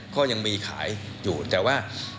ก็ยังมีขายอยู่แต่ว่า